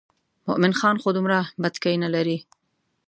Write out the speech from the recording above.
مومن خان خو دومره بتکۍ نه لري.